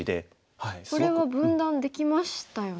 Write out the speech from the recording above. これは分断できましたよね。